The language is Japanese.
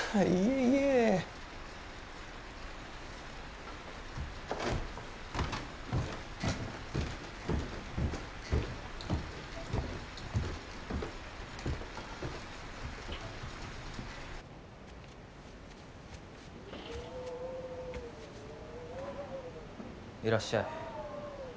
いらっしゃい。